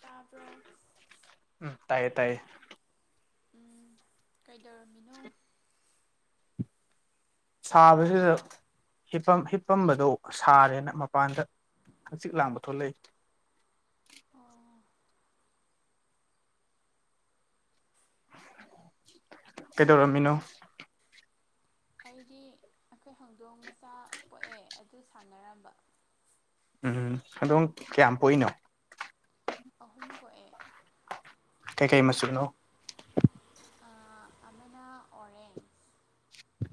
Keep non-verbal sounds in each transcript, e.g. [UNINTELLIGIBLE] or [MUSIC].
ꯇꯔꯕꯣ ꯎꯝ ꯇꯥꯏꯌꯦ ꯇꯥꯏꯌꯦ ꯎ ꯀꯩꯗꯧꯔꯝꯃꯤꯅꯣ ꯁꯥꯕꯁꯤꯗ ꯍꯤꯄꯝ ꯍꯤꯞꯄꯝꯕꯗꯣ ꯁꯥꯔꯦꯅ ꯃꯄꯥꯟꯗ ꯍꯆꯛ ꯂꯥꯡꯕ ꯊꯣꯛꯂꯛꯏ ꯑꯣ ꯀꯩꯗꯧꯔꯝꯃꯤꯅꯣ ꯑꯩꯗꯤ ꯑꯩꯈꯣꯏ ꯍꯧꯗꯣꯡ ꯃꯆꯥ ꯄꯣꯛꯑꯦ ꯑꯗꯨ ꯁꯥꯟꯅꯔꯝꯕ ꯎꯝ ꯑꯗꯨꯝ ꯀꯌꯥꯝ ꯄꯣꯛꯏꯅꯣ ꯑꯍꯨꯝ ꯄꯣꯛꯑꯦ ꯀꯩ ꯀꯩ ꯃꯆꯨꯅꯣ ꯑꯥ ꯑꯃꯅ ꯑꯣꯔꯟꯁ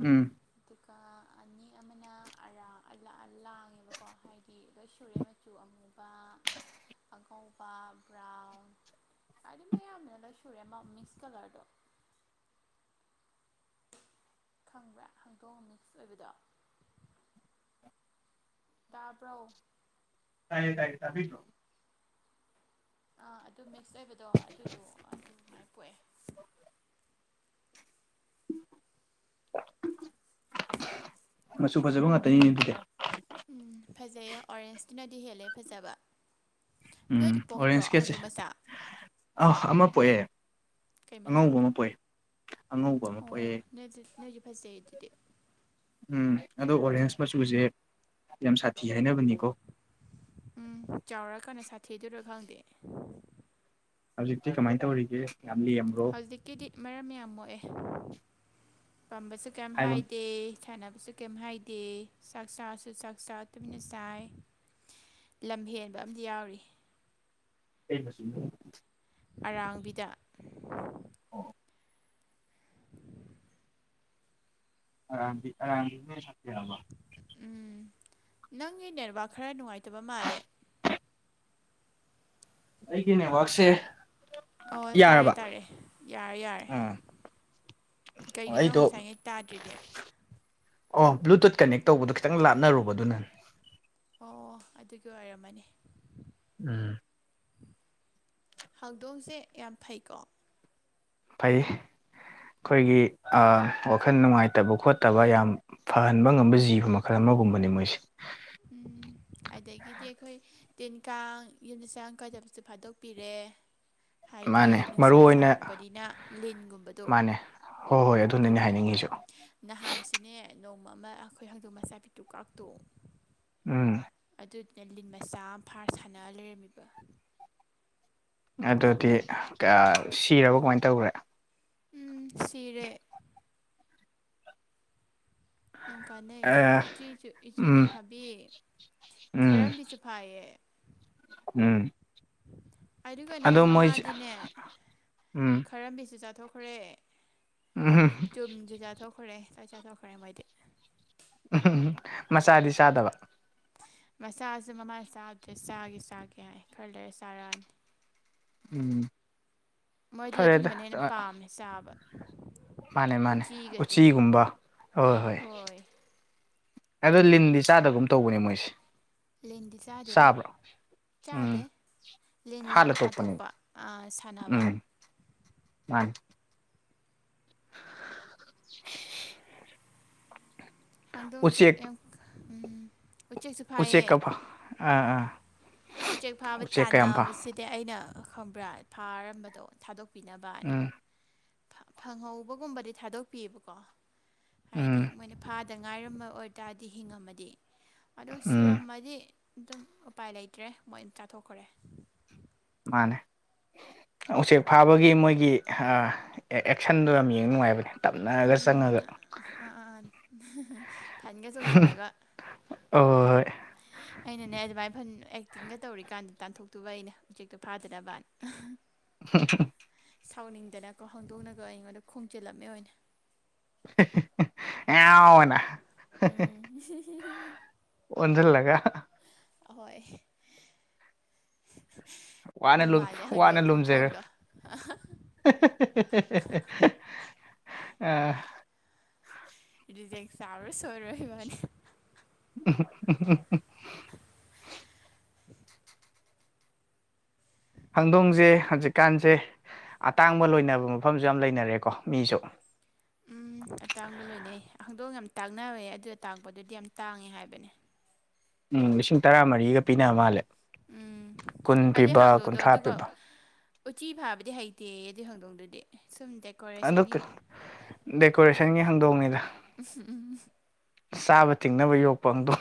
ꯎꯝ ꯑꯗꯨꯒ ꯑꯅꯤ ꯑꯃꯅ ꯑꯔꯥ [UNINTELLIGIBLE] ꯂꯥꯡꯉꯦꯕꯀꯣ ꯍꯥꯏꯗꯤ ꯂꯣꯏ ꯁꯨꯔꯦ ꯆꯨ ꯑꯃꯨꯕ ꯑꯉꯧꯕ ꯕ꯭ꯔꯥꯎꯟ ꯍꯥꯏꯗꯤ ꯃꯌꯥꯝꯅ ꯂꯣꯏꯟ ꯁꯨꯔꯦ ꯑꯃ ꯃꯤꯛꯁ ꯀꯂꯔꯗꯣ ꯈꯪꯕ꯭ꯔꯥ ꯍꯪꯗꯣꯛꯃꯤꯁ ꯑꯣꯏꯕꯗꯣ ꯇꯥꯕ꯭ꯔꯣ ꯇꯥꯏ ꯇꯥꯏꯌꯦ ꯇꯕꯤ꯭ꯔꯣ ꯑꯥ ꯑꯗꯨ ꯃꯤꯛꯁ ꯑꯣꯏꯕꯗꯣ ꯑꯗꯨꯗꯣ ꯑꯗꯨꯃꯥꯏ ꯄꯣꯛꯑꯦ ꯃꯆꯨ ꯐꯖꯕ ꯉꯥꯛꯇꯅꯤꯅꯦ ꯑꯗꯨꯗꯤ ꯎꯝ ꯐꯖꯩ ꯑꯣꯔꯦꯟꯖꯀꯤꯅꯗꯤ ꯍꯦꯜꯂꯦ ꯐꯖꯕ ꯎꯝ ꯅꯣꯏꯗꯤ ꯄꯣꯛꯇ꯭ꯔꯣ ꯑꯣꯔꯦꯟꯖ ꯀꯦꯠꯁꯦ ꯍꯧꯗꯣꯛ ꯃꯆꯥ ꯑꯥ ꯑꯃ ꯄꯣꯛꯑꯦ ꯀꯩ ꯃꯆꯨ ꯑꯉꯧꯕ ꯑꯃ ꯄꯣꯛꯑꯦ ꯑꯉꯧꯕ ꯑꯃ ꯄꯣꯛꯑꯦ [UNINTELLIGIBLE] ꯅꯣꯏꯗꯤ ꯐꯖꯩ ꯑꯗꯨꯗꯤ ꯎꯝ ꯑꯗꯣ ꯑꯣꯔꯦꯟꯖ ꯃꯆꯨꯁꯦ ꯌꯥꯝ ꯁꯥꯊꯤ ꯍꯥꯏꯅꯕꯅꯤꯀꯣ ꯎꯝ ꯆꯥꯎꯔꯛꯀꯥꯟꯗ ꯁꯥꯊꯤꯗꯨꯔ ꯈꯪꯗꯦ ꯍꯧꯖꯤꯛꯇꯤ ꯀꯃꯥꯏ ꯇꯧꯔꯤꯒꯦ ꯌꯥꯝ ꯂꯦꯝ ꯍꯧꯖꯤꯛꯀꯤꯗꯤ ꯃꯔꯝ ꯌꯥꯝ ꯃꯣꯛꯑꯦ ꯄꯥꯝꯕꯁꯨ ꯀꯩꯝ ꯍꯥꯏꯕ ꯍꯥꯏꯗꯦ ꯁꯥꯟꯅꯕꯁꯨ ꯀꯩꯝ ꯍꯥꯏꯗꯦ ꯆꯥꯛ ꯆꯥꯁꯨ ꯆꯥꯛ ꯆꯥ ꯇꯨꯃꯤꯅ ꯆꯥꯏ ꯂꯝ ꯍꯦꯟꯕ ꯑꯝꯗꯤ ꯌꯥꯎꯔꯤ [INAUDIBLE] ꯑꯔꯥꯡꯕꯤꯗ ꯑꯣ [INAUDIBLE] ꯑꯔꯝꯕꯤ ꯑꯔꯥꯝ [UNINTELLIGIBLE] ꯎꯝ ꯅꯪꯒꯤ ꯅꯦꯠꯋꯥꯛ ꯈꯔ ꯅꯨꯡꯉꯥꯏꯇꯕ ꯃꯥꯜꯂꯦ ꯑꯩꯒꯤ ꯅꯦꯠꯋꯥꯛꯁꯦ ꯑꯣ ꯇꯥꯔꯦ ꯌꯥꯔꯕ ꯇꯥꯔꯦ ꯌꯥꯔꯦ ꯌꯥꯔꯦ ꯑꯥ ꯀꯩꯒꯤꯅꯣ ꯑꯩꯗꯣ ꯉꯁꯥꯏꯉꯩ ꯇꯥꯗ꯭ꯔꯤꯗꯤ ꯑꯣ ꯕ꯭ꯂꯨꯇꯨꯠ ꯀꯅꯦꯛ ꯇꯧꯕꯗꯣ ꯈꯤꯇꯪ ꯂꯥꯞꯅꯔꯨꯕꯗꯨꯅꯅꯦ ꯑꯣ ꯑꯗꯨꯒꯤ ꯑꯣꯏꯔꯝꯃꯅꯤ ꯎꯝ ꯍꯧꯗꯣꯡꯁꯦ ꯌꯥꯝ ꯐꯩꯀꯣ ꯐꯩ ꯑꯩꯈꯣꯏꯒꯤ ꯑꯥ ꯋꯥꯈꯜ ꯅꯨꯡꯉꯥꯏꯇꯕ ꯈꯣꯠꯇꯕ ꯌꯥꯝ ꯐꯍꯟꯕ ꯉꯝꯕ ꯖꯤꯕ ꯃꯈꯜ ꯑꯃꯒꯨꯝꯕꯅꯦ ꯃꯣꯏꯁꯤ ꯎꯝ ꯑꯗꯩꯒꯤꯗꯤ ꯑꯩꯈꯣꯏ ꯇꯤꯟ ꯀꯥꯡ ꯌꯨꯝꯗ ꯆꯥꯡ ꯀꯥꯏꯗꯕꯁꯨ ꯐꯥꯗꯣꯛꯄꯤꯔꯦ ꯍꯥꯏꯗꯤ ꯃꯥꯅꯦ ꯅꯨꯡꯁꯥ ꯃꯔꯨ ꯑꯣꯏꯅ ꯁꯥꯔꯛꯄꯅꯤꯅ ꯂꯤꯟꯒꯨꯝꯕꯗꯣ ꯃꯥꯅꯦ ꯍꯣꯏ ꯍꯣꯏ ꯑꯗꯨ ꯑꯗꯨꯅꯅꯦ ꯍꯥꯏꯅꯤꯡꯉꯤꯁꯨ [UNINTELLIGIBLE] ꯅꯍꯥꯟꯁꯤꯅꯦ ꯅꯣꯡꯃ ꯑꯃ ꯑꯩꯈꯣꯏ ꯍꯪꯗꯣꯛ ꯃꯆꯥꯄꯤꯇꯨ ꯀꯥꯛꯇꯣꯛ ꯑꯪ ꯑꯗꯨꯗꯨꯅ ꯂꯤꯟ ꯃꯆꯥ ꯑꯃ ꯐꯥꯔ ꯁꯥꯟꯅ ꯂꯩꯔꯝꯃꯤꯕ ꯑꯗꯨꯗꯤ ꯀꯥ ꯁꯤꯔꯕ ꯀꯃꯥꯏꯅ ꯇꯧꯈ꯭ꯔꯦ ꯎꯝ ꯁꯤꯔꯦ ꯌꯥꯝ ꯀꯥꯟꯅꯩ ꯑꯦ ꯎꯆꯤꯖꯨ ꯎꯆꯤꯖꯨ ꯎꯝ ꯐꯥꯕꯤ ꯎꯝ ꯈꯔꯝꯕꯤꯁꯨ ꯐꯥꯏꯌꯦ ꯎꯝ ꯑꯗꯨꯒꯅꯦ ꯑꯗꯣ ꯃꯣꯏꯁꯦ ꯃꯃꯥꯗꯤꯅꯦ ꯎꯝ ꯈꯔꯝꯕꯤꯁꯨ ꯆꯥꯊꯣꯛꯈꯔꯦ ꯎꯝ ꯆꯨꯝꯁꯨ ꯆꯥꯊꯣꯛꯈ꯭ꯔꯦ ꯂꯣꯏ ꯆꯥꯊꯣꯛꯈ꯭ꯔꯦ ꯃꯣꯏꯗꯤ ꯃꯆꯥꯗꯤ ꯆꯥꯗꯕ ꯃꯆꯥꯁꯦ ꯃꯃꯥ ꯆꯥꯒ꯭ꯔꯦ ꯆꯥꯒꯦ ꯆꯥꯒꯦ ꯍꯥꯏ ꯈꯔ ꯂꯩꯔ ꯆꯥꯔꯛꯑꯅꯤ ꯎꯝ ꯃꯣꯏꯗꯤ ꯐꯔꯦꯗ ꯑꯗꯨꯝꯕꯅ ꯍꯦꯟꯅ ꯄꯥꯝꯃꯦ ꯆꯥꯕ ꯃꯥꯅꯦ ꯃꯥꯅꯦ ꯎꯆꯤꯒꯁꯦ ꯎꯆꯤꯒꯨꯝꯕ ꯍꯣꯏ ꯍꯣꯏ ꯑꯗꯣ ꯂꯤꯟꯗꯤ ꯆꯥꯗꯒꯨꯝ ꯇꯧꯕꯅꯦ ꯃꯣꯏꯁꯦ ꯂꯤꯟꯗꯤ ꯆꯥꯗꯦꯗ ꯆꯥꯕ꯭ꯔꯣ ꯆꯥꯗꯦ ꯎꯝ ꯂꯤꯟꯅ ꯍꯥꯠꯂ ꯇꯣꯛꯄꯅꯤ ꯍꯥꯠꯇꯣꯛꯄ ꯑꯥ ꯁꯥꯟꯅꯕ ꯎꯝ ꯃꯥꯅꯤ ꯍꯧꯗꯣꯡꯁꯦ ꯎꯆꯦꯛ ꯑꯦꯞ ꯎꯝ ꯎꯆꯦꯛꯀ ꯐꯥ ꯑꯥ ꯑꯥ ꯎꯆꯦꯛ ꯐꯥꯕ ꯎꯆꯦꯛꯀ ꯌꯥꯝ ꯐꯥ ꯇꯥꯟꯕꯁꯤꯗꯤ ꯑꯩꯅ ꯈꯪꯕ꯭ꯔꯥ ꯐꯥꯔꯝꯕꯗꯣ ꯊꯥꯗꯣꯛꯄꯤꯅꯕ ꯎꯝ ꯐꯪ ꯐꯪꯍꯧꯕꯒꯨꯝꯕꯗꯤ ꯊꯥꯗꯣꯛꯄꯤꯌꯦꯕꯀꯣ ꯍꯥꯏꯗꯤ ꯎꯝ ꯃꯣꯏꯅꯥ ꯐꯥ [UNINTELLIGIBLE] ꯉꯥꯏꯔꯝꯃ ꯑꯣꯏꯇꯥꯔꯗꯤ ꯍꯤꯡꯉꯝꯃꯗꯤ ꯑꯗꯣ ꯎꯝ ꯁꯤꯔꯝꯃꯗꯤ ꯑꯗꯨꯝ ꯎꯄꯥꯏ ꯂꯩꯇ꯭ꯔꯦ ꯃꯣꯏꯅ ꯆꯥꯊꯣꯛꯈ꯭ꯔꯦ ꯃꯥꯅꯦ ꯎꯆꯦꯛ ꯐꯥꯕꯒꯤ ꯃꯣꯏꯒꯤ ꯑꯥ ꯑꯦꯛ ꯑꯦꯛꯁꯟꯗꯣ ꯌꯥꯝ ꯌꯦꯡꯕ ꯅꯨꯡꯉꯥꯏꯕꯅꯦ ꯇꯞꯅꯒ ꯎꯝ ꯆꯪꯉꯒ ꯑꯥ ꯑꯥ ꯐꯟꯒ ꯆꯣꯡꯖꯜꯂꯒ ꯑꯣ ꯑꯩꯅꯅꯦ ꯑꯗꯨꯃꯥꯏꯅ ꯐꯟ ꯑꯦꯛꯇꯤꯡꯒ ꯇꯧꯔꯤꯀꯥꯟꯗ ꯇꯥꯟꯊꯣꯛꯇꯣꯏꯕ ꯑꯩꯅ ꯎꯆꯦꯛꯇꯣ ꯐꯥꯗꯅꯕ [UNINTELLIGIBLE] [UNINTELLIGIBLE] ꯁꯥꯎꯅꯤꯡꯗꯅꯀꯣ ꯍꯧꯗꯣꯛꯅꯒ ꯑꯩꯉꯣꯟꯗ ꯈꯣꯡꯖꯤꯜꯂꯝꯃꯦ ꯑꯣꯏꯅ ꯉ꯭ꯌꯥꯎꯅ ꯎꯝ ꯑꯣꯟꯁꯤꯜꯂꯒ ꯑꯍꯣꯏ ꯋꯥꯅ ꯑꯗꯨꯝ ꯂꯨꯝ ꯃꯥꯜꯂꯦ ꯋꯥꯅ ꯍꯪꯗꯣꯡ ꯂꯨꯝꯖꯔ ꯈꯨꯈꯣꯡꯗꯣ ꯑꯥ ꯔꯤꯖꯦꯛ ꯆꯥꯕ ꯁꯣꯏꯔꯣꯏ ꯏꯕꯥꯟꯅꯤ [UNINTELLIGIBLE] [UNINTELLIGIBLE] ꯍꯧꯗꯣꯡꯁꯦ ꯍꯧꯖꯤꯛꯀꯥꯟꯁꯦ ꯑꯇꯥꯡꯕ ꯂꯣꯏꯅꯕ ꯃꯐꯝꯁꯨ ꯌꯥꯝ ꯂꯩꯅꯔꯦꯀꯣ ꯃꯤꯁꯨ ꯎꯝ ꯑꯇꯥꯡꯕ ꯂꯣꯏꯅꯩ ꯍꯧꯗꯣꯡ ꯌꯥꯝ ꯇꯥꯡꯅꯕꯅꯦ ꯑꯗꯨ ꯑꯇꯥꯡꯛꯗꯨꯗꯤ ꯌꯥꯝ ꯇꯥꯡꯉꯦ ꯍꯥꯏꯕꯅꯦ ꯎꯝ ꯂꯤꯁꯤꯡ ꯇꯔꯥꯃꯔꯤꯒ ꯄꯤꯅ ꯃꯥꯜꯂꯦ ꯎꯝ ꯀꯨꯟ ꯑꯗꯨ ꯄꯤꯕ ꯍꯧꯗꯣꯡꯗꯣ ꯀꯨꯟꯊ꯭ꯔꯥ ꯑꯗꯨꯒ ꯄꯤꯕ ꯎꯆꯤ ꯐꯥꯕꯗꯤ ꯍꯩꯇꯦꯌꯦ ꯑꯗꯨꯏ ꯍꯧꯗꯣꯡꯗꯨꯗꯤ ꯁꯨꯝ ꯗꯦꯛ ꯑꯗꯨ ꯗꯦꯀꯣꯔꯦꯁꯟꯒꯤ ꯍꯥꯡꯗꯣꯡꯉꯤꯗ ꯎꯝ ꯎꯝ ꯎꯝ ꯎꯝ ꯆꯥꯕ ꯊꯤꯡꯅꯕ ꯌꯣꯛꯄ ꯑꯗꯣ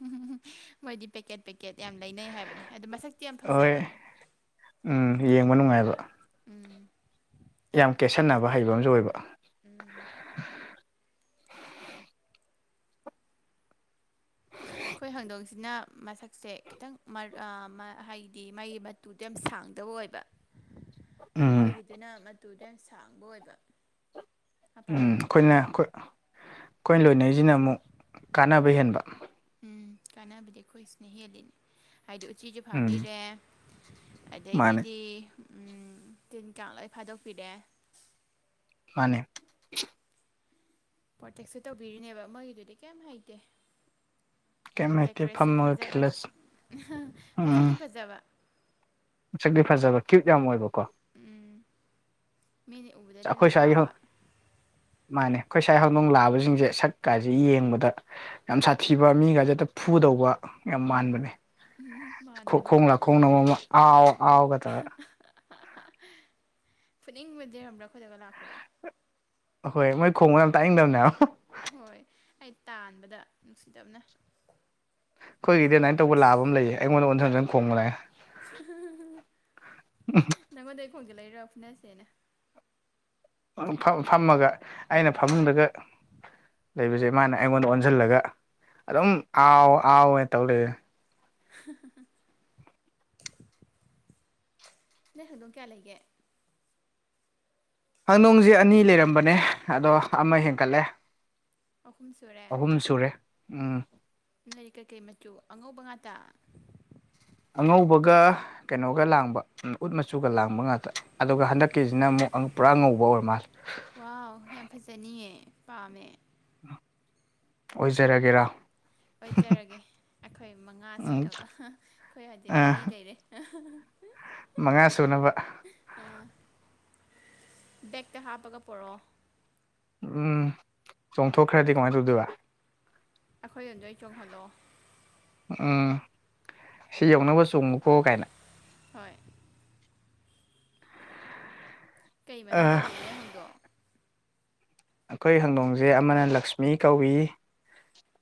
ꯎ ꯃꯣꯏꯗꯤ ꯄꯦꯀꯦꯠ ꯄꯦꯀꯦꯠ ꯌꯥꯝ ꯂꯩꯅꯩ ꯍꯥꯏꯕꯅꯦ ꯑꯗꯨ ꯃꯁꯛꯇꯤ ꯌꯥꯝ ꯐꯖꯕ ꯍꯣꯏ ꯎꯝ ꯌꯦꯡꯕ ꯅꯨꯡꯉꯥꯏꯕ ꯎꯝ ꯌꯥꯝ ꯀꯦꯠꯁꯟꯅꯕ ꯍꯩꯕ ꯑꯃꯁꯨ ꯑꯣꯏꯕ ꯎꯝ [UNINTELLIGIBLE] ꯑꯩꯈꯣꯏ ꯍꯧꯪꯗꯣꯡꯁꯤꯅ ꯃꯁꯛꯁꯦ ꯈꯤꯇꯪ ꯍꯥꯏꯗꯤ ꯃꯩ ꯃꯇꯨꯗꯣ ꯌꯥꯝ ꯁꯥꯡꯗꯕ ꯑꯣꯏꯕ ꯎꯝ ꯃꯣꯏꯒꯤꯗꯨꯅ ꯃꯇꯨꯗ ꯌꯥꯝ ꯁꯥꯡꯕ ꯑꯣꯏꯕ ꯃꯄꯥꯟ ꯎꯝ ꯑꯩꯈꯣꯏꯅ ꯂꯝꯒꯤꯗꯨꯅꯀꯣ ꯑꯩꯈꯣꯏꯅ ꯂꯣꯏꯅꯔꯤꯁꯤꯅ ꯑꯃꯨꯛ ꯀꯥꯟꯅꯕ ꯍꯦꯟꯕ ꯎꯝ ꯀꯥꯟꯅꯕꯗꯤ ꯑꯩꯈꯣꯏ ꯁꯤꯅ ꯍꯦꯜꯂꯤꯅꯦ ꯍꯥꯏꯗꯤ ꯎꯆꯁꯨ ꯎꯝ ꯐꯥꯕꯤꯔꯦ ꯃꯥꯅꯦ ꯑꯗꯒꯤꯗꯤ ꯇꯤꯟ ꯀꯥꯡ ꯂꯣꯏ ꯐꯥꯗꯣꯛꯄꯤꯔꯦ ꯃꯥꯅꯦ ꯄ꯭ꯔꯣꯇꯦꯛꯁꯨ ꯇꯧꯕꯤꯔꯤꯅꯦꯕ ꯃꯣꯏꯒꯤꯗꯨꯗꯤ ꯀꯩꯝ ꯍꯩꯇꯦ ꯀꯩꯝ ꯂꯩꯇꯦ ꯗꯦꯀꯣꯔꯦꯁꯟ ꯐꯝꯃꯒ ꯐꯖꯕ ꯈꯤꯜꯂꯁꯤ ꯃꯁꯛꯇꯤ ꯐꯖꯕ ꯃꯁꯛꯤ ꯐꯖꯕ ꯀ꯭ꯌꯨꯠ ꯌꯥꯝ ꯑꯣꯏꯕꯀꯣ ꯎꯝ ꯃꯤꯅ ꯎꯕꯗ ꯆꯈꯣꯏ ꯁꯏꯍꯣ ꯃꯥꯅꯦ ꯑꯩꯈꯣꯏ ꯁꯥꯏ ꯍꯧꯗꯣꯡ ꯂꯥꯛꯑꯕꯁꯤꯡꯁꯦ ꯁꯛꯀꯁꯦ ꯌꯦꯡꯕꯗ ꯌꯥꯝ ꯁꯥꯊꯤꯕ ꯃꯤꯒꯁꯦ ꯐꯨꯗꯧꯕ ꯌꯥꯝ ꯎꯝ ꯃꯥꯟꯕꯅꯦ ꯎꯝ ꯃꯥꯟꯕꯅꯦ ꯈꯣꯡ ꯂ ꯈꯣꯡꯅ ꯑꯃ ꯑꯥꯎ ꯑꯥꯎꯒ ꯇꯧꯔ ꯄꯨꯅꯤꯡꯕꯨꯨ ꯂꯩꯔꯝꯕ꯭ꯔꯥ ꯈꯨꯣꯏꯗꯒ ꯂꯥꯛꯄꯗꯣ ꯑꯍꯣꯏ ꯃꯣꯏ ꯈꯣꯡ ꯌꯥꯝ ꯇꯥꯛꯏꯅꯤꯡꯗꯕꯅꯦ ꯍꯣꯏ ꯑꯩ ꯇꯥꯟꯕꯗ ꯅꯨꯡꯁꯤꯗꯕꯅ ꯑꯩꯈꯣꯏꯒꯤꯗꯤ ꯑꯗꯨꯥꯏꯅ ꯇꯧꯕ ꯂꯥꯕ ꯑꯃ ꯂꯩꯌꯦ ꯑꯩꯉꯣꯟꯗ ꯑꯣꯟꯖꯟ ꯈꯣꯡꯕ ꯂꯥꯛꯦ ꯅꯪꯉꯣꯟꯗꯩ ꯈꯣꯡꯁꯦ ꯂꯩꯔ ꯐꯨꯅꯁꯦꯅ ꯐꯝꯃꯒ ꯑꯩꯅ ꯐꯝꯃꯨꯡꯗꯒ [INAUDIBLE] ꯂꯩꯕꯁꯦ ꯃꯥꯅ ꯑꯩꯉꯣꯟꯗ ꯑꯣꯟꯁꯤꯜꯂꯒ ꯑꯗꯨꯝ ꯑꯥꯎ ꯑꯥꯎꯋ ꯇꯧꯔꯛꯦ ꯅ ꯑꯗꯨꯗꯣꯝ ꯀꯌꯥ ꯂꯩꯒꯦ ꯍꯪꯗꯣꯡꯁꯦ ꯑꯅꯤ ꯂꯩꯔꯝꯕꯅꯦ ꯑꯗꯣ ꯑꯃ ꯍꯦꯟꯒꯠꯂꯦ ꯑꯍꯨꯝ ꯁꯨꯔꯦ ꯑꯍꯨꯝ ꯁꯨꯔꯦ ꯎꯝ ꯂꯥꯏꯔꯤꯛ ꯀꯩꯀꯩ ꯃꯆꯨ ꯑꯉꯧꯕ ꯉꯥꯛꯇ ꯑꯉꯧꯕꯒ ꯀꯩꯅꯣꯒ ꯂꯥꯡꯕ ꯎꯠ ꯃꯆꯨꯒ ꯂꯥꯡꯕ ꯉꯥꯛꯇ ꯑꯗꯨꯒ ꯍꯟꯗꯛꯀꯤꯁꯤꯅ ꯑꯃꯨꯛ ꯄꯨꯔꯥ ꯉꯧꯕ ꯑꯣꯏꯔ ꯃꯥ ꯋꯥꯎ ꯌꯥꯝ ꯐꯖꯅꯤꯑ ꯄꯥꯝꯃꯦ ꯑꯣꯏꯖꯔꯒꯦꯔꯥ ꯑꯣꯏꯖꯔꯒꯦ ꯑꯩꯈꯣꯏ ꯃꯉꯥ ꯎꯝ ꯁꯨꯅꯕ ꯑꯩꯈꯣꯏ ꯍꯧꯖꯤꯛ ꯃꯔꯤ ꯑ ꯂꯩꯔꯦ ꯃꯉꯥ ꯁꯨꯅꯕ ꯕꯦꯛꯇ ꯍꯥꯞꯄꯒ ꯄꯔꯛꯑꯣ ꯎꯝ ꯆꯣꯡꯊꯣꯛꯈ꯭ꯔꯗꯤ ꯀꯃꯥꯏꯅ ꯇꯧꯗꯣꯏꯕ ꯑꯩꯈꯣꯏ ꯑꯣꯝꯗꯩ ꯆꯣꯡꯍꯜꯂꯣ ꯑꯥ ꯁꯤ ꯌꯧꯅꯕ ꯆꯣꯡꯉꯨꯀꯣ ꯀꯥꯏꯅ ꯍꯣꯏ ꯀꯩ ꯑ ꯃꯃꯤꯡ ꯀꯧꯒꯦꯅꯦ ꯍꯪꯗꯣ ꯑꯩꯈꯣꯏ ꯍꯪꯗꯣꯡꯁꯦ ꯑꯃꯅ ꯂꯛꯁꯃꯤ ꯀꯧꯏ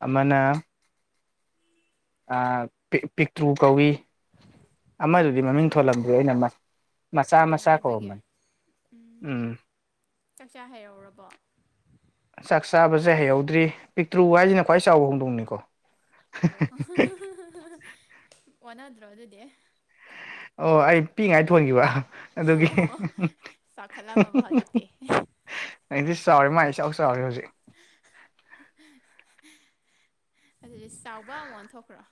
ꯑꯃꯅ ꯑ ꯄꯤꯛ ꯄꯤꯛꯇ꯭ꯔꯨ ꯀꯧꯏ [INAUDIBLE] ꯑꯃꯗꯨꯗꯤ ꯃꯃꯤꯡ ꯄꯤꯛꯇ꯭ꯔꯨ ꯊꯣꯜꯂꯝꯗꯦ ꯑꯩꯅ ꯑꯃ ꯄꯣꯛꯇ ꯉꯥꯏꯔꯤꯕꯒꯦ ꯎꯝ ꯆꯥꯛꯆꯥ ꯍꯩꯔꯧꯔꯕꯣ ꯆꯥꯛ ꯆꯥꯕꯁꯦ ꯍꯩꯍꯧꯗ꯭ꯔꯤ ꯄꯤꯛꯇ꯭ꯔꯨ ꯍꯥꯏꯁꯤꯅ ꯈ꯭ꯋꯥꯏ ꯆꯥꯎꯕ ꯍꯧꯗꯣꯡꯅꯤꯀꯣ ꯑꯣ ꯑꯣꯅꯗ꯭ꯔꯣ ꯑꯗꯨꯗꯤ ꯑꯣ ꯑꯩ ꯄꯤꯛꯉꯥꯏ ꯊꯣꯟꯈꯤꯕ ꯑꯗꯨꯒꯤ ꯑꯣ ꯆꯥꯎꯈꯠꯂꯝꯃꯕ ꯍꯧꯖꯤꯛꯇꯤ ꯑꯩꯗꯤ ꯆꯥꯎꯔꯦ ꯃꯥ ꯆꯥꯎ ꯆꯥꯎꯔꯦ ꯍꯧꯖꯤꯛ ꯑꯗꯨꯗꯤ ꯆꯥꯎꯕ ꯑꯃꯨꯛ ꯑꯣꯟꯊꯣꯛꯈ꯭ꯔꯣ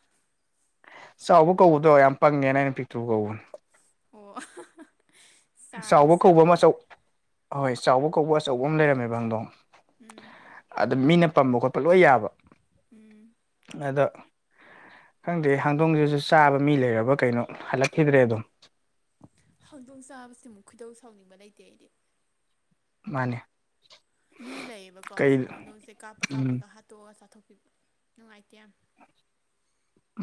ꯆꯥꯎꯕ ꯀꯧꯕꯗꯣ ꯌꯥꯝ ꯄꯪꯉꯦꯅ ꯑꯩꯅ ꯄꯤꯛꯇꯔꯨ ꯀꯧꯕꯅꯦ ꯑꯣ ꯆꯥꯔꯒ ꯆꯥꯎꯕ ꯀꯧꯕ ꯑꯃ ꯆꯥꯎꯋꯦ ꯑꯆꯧ ꯍꯣꯏ ꯆꯥꯎꯕ ꯀꯧꯕ ꯑꯆꯧꯕ ꯑꯃ ꯂꯩꯔꯝꯃꯦꯕ ꯍꯪꯗꯣ ꯎꯝ ꯑꯗꯨ ꯃꯤꯅ ꯄꯝꯕ ꯈꯣꯠꯄ ꯂꯣꯏ ꯌꯥꯕ ꯎꯝ ꯑꯗꯣ ꯈꯪꯗꯦ ꯍꯪꯗꯣꯡꯁꯤꯁꯨ ꯆꯥꯕ ꯃꯤ ꯂꯩꯔꯕ ꯀꯩꯅꯣ ꯍꯜꯂꯛꯈꯤꯗ꯭ꯔꯦ ꯑꯗꯨꯝ ꯍꯧꯗꯣꯡ ꯆꯥꯕꯁꯤꯃꯨꯛ ꯈꯨꯗꯧ ꯁꯥꯎꯅꯤꯡꯕ ꯂꯩꯇꯦ ꯑꯩꯗꯤ ꯃꯥꯅꯦ ꯃꯤ ꯂꯩꯌꯦꯕꯀꯣ ꯀꯩ ꯍꯧꯗꯣꯡꯁꯦ ꯀꯥꯞꯄ ꯎꯝ ꯀꯥꯞꯄꯒ ꯍꯥꯠꯇꯣꯑꯒ ꯆꯥꯊꯣꯛꯄꯤꯕ ꯅꯨꯡꯉꯥꯏꯇꯦ ꯌꯥꯝ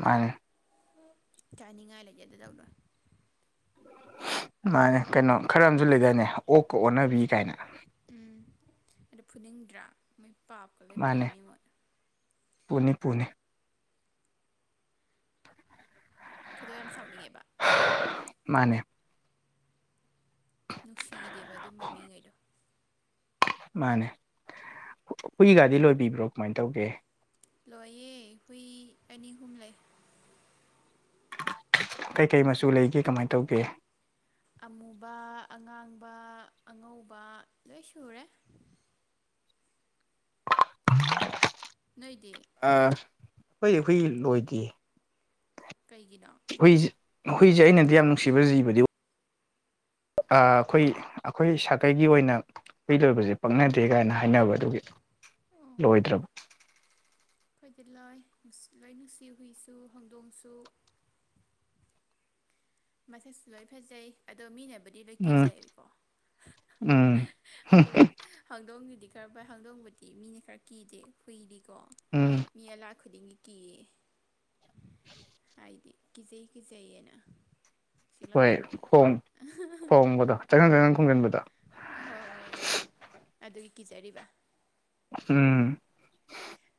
ꯃꯥꯅꯦ ꯆꯥꯅꯤꯡꯉꯥꯏ ꯂꯩꯖꯗꯗꯧꯅ ꯃꯥꯅꯦ ꯀꯩꯅꯣ ꯈꯔ ꯑꯃꯁꯨ ꯂꯩꯗꯅꯦ ꯑꯣꯛꯀ ꯑꯣꯟꯅꯕꯤ ꯀꯥꯏꯅ ꯎꯝ ꯑꯗꯨ ꯐꯨꯅꯤꯡꯗ꯭ꯔꯥ ꯃꯣꯏ ꯄꯥꯞ ꯀꯥ ꯂꯣꯢ ꯃꯥꯅꯦ ꯄꯨꯅꯤ ꯃꯣꯏ ꯄꯨꯅꯤ ꯄꯨꯅꯤ ꯈꯣꯏꯗꯧ ꯌꯥꯝ ꯁꯥꯎꯅꯤꯡꯉꯦꯕ ꯃꯥꯅꯦ ꯅꯨꯡꯁꯤꯗꯦꯕ ꯑꯗꯨꯝꯕ ꯃꯤꯉꯩꯗꯣ ꯃꯥꯅꯦ ꯍꯨꯏꯒꯥꯗꯤ ꯂꯣꯏꯕꯤꯕ꯭ꯔꯣ ꯀꯃꯥꯏ ꯇꯧꯒꯦ ꯂꯣꯏꯌꯦ ꯍꯨꯏ ꯑꯅꯤ ꯑꯍꯨꯝ ꯂꯩ ꯀꯩ ꯀꯩ ꯃꯆꯨ ꯂꯩꯒꯦ ꯀꯃꯥꯏ ꯇꯧꯒꯦ ꯑꯃꯨꯕ ꯑꯉꯥꯡꯕ ꯑꯉꯧꯕ ꯂꯣꯏ ꯁꯨꯔꯦ ꯅꯣꯏꯗꯤ ꯑꯍꯨꯏ ꯑꯩꯈꯣꯏ ꯂꯣꯏꯗꯦ ꯀꯩꯒꯤꯅꯣ ꯍꯨꯏꯁꯦ ꯍꯨꯏꯁꯦ ꯑꯩꯅꯗꯤ ꯌꯥꯝ ꯅꯨꯡꯁꯤꯕ ꯖꯤꯕꯗꯤ ꯑ ꯑꯩꯈꯣꯏꯒꯤ ꯑꯩꯈꯣꯏ ꯁꯥꯀꯩꯒꯤ ꯑꯣꯏꯅ ꯍꯨꯏ ꯂꯣꯏꯕꯁꯦ ꯄꯛꯅꯗꯦ ꯀꯥꯏꯅ ꯍꯥꯏꯅꯕꯗꯨꯒꯤ ꯑꯣ ꯂꯣꯏꯗ꯭ꯔꯕ ꯑꯩꯈꯣꯏꯗꯤ ꯂꯣꯏ ꯂꯣꯏ ꯅꯨꯡꯁꯤ ꯍꯨꯏꯁꯨ ꯍꯧꯗꯣꯡꯁꯨ ꯃꯁꯦꯁꯨ ꯂꯣꯏ ꯐꯖꯩ ꯑꯗꯣ ꯃꯤꯅꯕꯨꯗꯤ ꯂꯣꯏ ꯎꯝ ꯀꯤꯖꯩꯌꯦꯕꯀꯣ ꯎꯝ ꯍꯧꯗꯣꯡ ꯍꯧꯗꯣꯡꯗꯨꯗꯤ ꯈꯔ ꯐꯩ ꯍꯧꯗꯣꯡꯕꯨꯗꯤ ꯃꯤꯅ ꯈꯔ ꯀꯤꯗꯦ ꯍꯨꯏꯗꯤꯀꯣ ꯎꯝ ꯃꯤ ꯑꯂꯥꯛ ꯈꯨꯗꯤꯡꯒꯤ ꯀꯤꯌꯦ [INAUDIBLE] ꯍꯥꯏꯗꯤ ꯀꯤꯖꯩ ꯀꯤꯖꯩꯅ ꯍꯣꯏ ꯈꯣꯡ ꯈꯣꯡꯕꯗꯣ ꯆꯪꯖꯤꯟ ꯆꯪꯖꯤꯟ ꯈꯣꯡꯖꯤꯟꯕꯗꯣ ꯍꯣꯏ ꯍꯣꯏ ꯍꯣꯏ ꯑꯗꯨꯒꯤ ꯀꯤꯖꯔꯤꯕ ꯎꯝ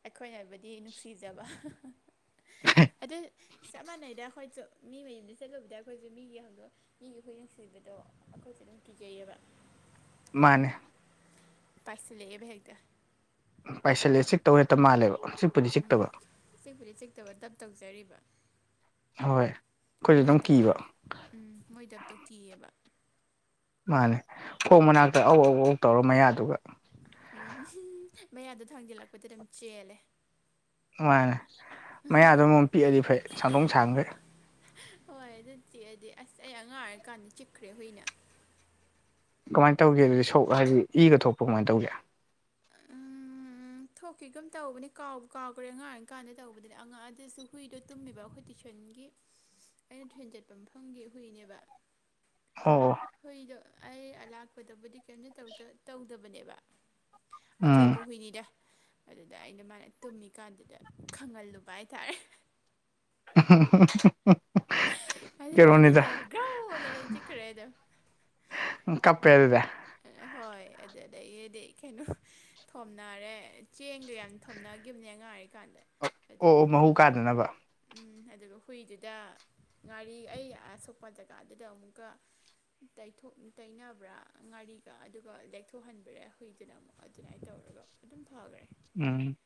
ꯑꯩꯈꯣꯏꯅꯕꯨꯗꯤ ꯅꯨꯡꯁꯤꯖꯕ ꯑꯗꯨ ꯆꯞ ꯃꯥꯟꯅꯩꯗ ꯑꯩꯈꯣꯏꯁꯨ ꯃꯤ ꯃꯌꯨꯝꯗ ꯆꯠꯂꯨꯕꯗ ꯑꯩꯈꯣꯏꯁꯨ ꯃꯤꯒꯤ ꯍꯧꯗꯣꯡ ꯃꯤꯒꯤ ꯍꯨꯏ ꯅꯨꯡꯁꯤꯕꯗꯣ ꯑꯩꯈꯣꯏꯁꯨ ꯑꯗꯨꯝ ꯀꯤꯖꯩꯌꯦꯕ ꯃꯥꯅꯦ ꯄꯥꯏꯁꯤꯜ ꯂꯛꯑꯦꯕ ꯍꯦꯛꯇ ꯄꯥꯏꯁꯤꯜꯂꯦ ꯆꯤꯛꯇꯧ ꯍꯦꯛꯇ ꯃꯥꯜꯂꯦꯕ ꯆꯤꯛ ꯎꯝ ꯆꯤꯛꯄꯨꯗꯤ ꯆꯤꯛꯇꯕ ꯗꯞ ꯇꯧꯖꯔꯤꯕ ꯍꯣꯏ ꯑꯩꯈꯣꯏꯁꯨ ꯃꯣꯏ ꯑꯗꯨꯝ ꯗꯞꯇꯣ ꯀꯤꯕ ꯎꯝ ꯃꯣꯏ ꯗꯞꯇꯣ ꯀꯤꯑꯦꯕ ꯃꯥꯅꯦ ꯈꯣꯡ ꯃꯅꯥꯛꯇ ꯑꯧ ꯑꯧ ꯑꯧ ꯇꯧꯔ ꯃꯌꯥꯗꯨꯒ ꯎꯝ ꯃꯌꯥꯗꯣ ꯊꯥꯡꯖꯤꯜꯂꯛꯄꯗꯤ ꯑꯗꯨꯝ ꯆꯦꯜꯂꯦ ꯃꯥꯅꯦ ꯃꯌꯥꯗ ꯑꯃꯝ ꯄꯤꯛꯑꯗꯤ ꯐꯩ ꯁꯥꯡꯗꯣꯡ ꯁꯥꯡꯈꯩ ꯍꯣꯏ ꯑꯗꯨ ꯆꯤꯛꯑꯗꯤ ꯑꯁ ꯑꯩ ꯑꯉꯥꯡ ꯑꯣꯏꯔꯀꯥꯟꯗ ꯆꯤꯛꯈ꯭ꯔꯦ ꯍꯨꯏꯅ ꯀꯃꯥꯏ ꯇꯧꯒꯦ ꯑꯗꯨꯗꯤ ꯁꯣꯛ ꯍꯥꯏꯗꯤ ꯏꯒ ꯊꯣꯛꯄ ꯀꯃꯥꯏꯅ ꯇꯧꯒꯦ ꯑ ꯎꯝ ꯎꯝ ꯊꯣꯛꯈꯤꯒꯨꯝ ꯇꯧꯕꯅꯦ ꯀꯥꯎꯕꯨ ꯀꯥꯎꯈ꯭ꯔꯦ ꯑꯉꯥꯡ ꯑꯣꯏꯔꯤ ꯀꯥꯟꯗ ꯇꯧꯕꯗꯨꯅꯦ ꯑꯉꯥꯡ ꯑꯗꯨꯁꯨ ꯍꯨꯏꯗꯣ ꯇꯨꯝꯃꯤꯕ ꯑꯩꯈꯣꯏ [UNINTELLIGIBLE] ꯑꯩꯅ ꯇꯨꯏꯁꯟ ꯆꯠꯄ ꯃꯐꯝꯒꯤ ꯍꯨꯏꯅꯦꯕ [UNINTELLIGIBLE] ꯍꯨꯏꯗꯣ ꯑꯩ ꯑꯂꯥꯛꯄꯗꯕꯨꯗꯤ ꯀꯔꯤꯝꯇ ꯇꯧꯗ ꯇꯧꯗꯕꯅꯦꯕ ꯎꯝ ꯑꯆꯧꯕ ꯍꯨꯏꯅꯤꯗ ꯑꯗꯨꯗ ꯑꯩꯅ ꯃꯥꯅ ꯇꯨꯝꯃꯤꯀꯥꯟꯗꯨꯗ ꯈꯪꯍꯜꯂꯨꯕ ꯍꯥꯏꯇꯥꯔꯦ [UNINTELLIGIBLE] ꯑꯗꯨꯗ ꯀꯩꯅꯣꯅꯤꯗ ꯑꯣꯟꯁꯤꯜꯂꯒ ꯒꯥꯎ ꯑꯥꯅ ꯗꯨꯝ ꯆꯤꯛꯈ꯭ꯔꯦ ꯗꯨꯝ ꯎꯝ ꯀꯞꯄꯦ ꯑꯗꯨꯗ ꯍꯣꯏ ꯑꯗꯥꯏ ꯑꯗꯥꯏꯒꯤꯗꯤ ꯀꯩꯅꯣ ꯊꯣꯝꯅꯔꯦ ꯆꯦꯡꯒ ꯌꯥꯝ ꯊꯣꯝꯅꯒꯤꯈꯤꯕꯅꯦ ꯑꯉꯥꯡ ꯉꯥꯏꯔꯤ ꯀꯥꯟꯗ ꯑꯣ ꯑꯣ ꯃꯍꯨ ꯀꯥꯗꯅꯕ ꯎꯝ ꯑꯗꯨꯒ ꯍꯨꯏꯗꯨꯗ ꯉꯥꯔꯤ ꯑꯩ ꯑꯁꯣꯛꯄ ꯖꯒꯥꯗꯨꯗ ꯑꯃꯨꯛꯀ ꯇꯩꯊꯣꯛ ꯇꯩꯅꯕ꯭ꯔꯥ ꯉꯥꯔꯤ ꯑꯗꯨ ꯑꯗꯨꯒ ꯂꯦꯛꯊꯣꯛꯍꯟꯕꯤꯔꯦ ꯍꯨꯏꯗꯨꯅ ꯑꯃꯨꯛ ꯑꯗꯨꯅꯥꯏꯅ ꯇꯧꯔꯒ ꯑꯗꯨꯝ ꯐꯈ꯭ꯔꯦ ꯎꯝ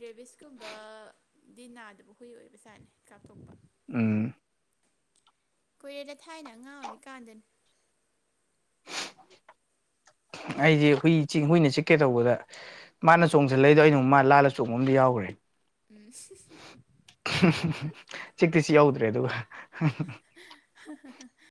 ꯔꯦꯕꯤꯁꯀꯨꯝꯕꯗꯤ ꯅꯥꯗꯕ ꯍꯨꯏ ꯑꯣꯏꯕꯖꯥꯠꯅꯦ ꯀꯥꯞꯊꯣꯛꯄ ꯎꯝ ꯀꯨꯏꯔꯦꯗ ꯊꯥꯏꯅ ꯑꯉꯥꯡ ꯑꯣꯏꯔꯤꯀꯥꯟꯗꯅꯤ [INAUDIBLE] ꯑꯩꯗꯤ ꯍꯨꯏ ꯆꯤꯛ ꯍꯨꯏꯅ ꯆꯤꯛꯀꯦ ꯇꯧꯕꯗ ꯃꯥꯅ ꯆꯣꯡꯁꯤꯜ ꯂꯛꯏꯗꯣ ꯑꯩꯅꯃꯨꯛ ꯃꯥ ꯂꯥꯜꯂꯥ ꯆꯣꯡꯕ ꯑꯃꯝꯗꯤ ꯌꯥꯎꯈ꯭ꯔꯦ ꯎꯝ ꯆꯤꯛꯇꯤ ꯆꯤꯛꯍꯧꯗ꯭ꯔꯦ ꯑꯗꯨꯒ [UNINTELLIGIBLE]